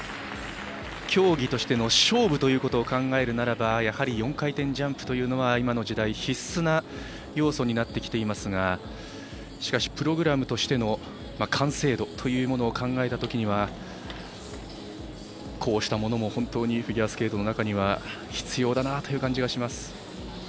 競技としての勝負ということを考えるならばやはり４回転ジャンプは今の時代必須な要素になってきていますがしかしプログラムとしての完成度というものを考えたときには、こうしたものもフィギュアスケートの中には必要だなという感じがします。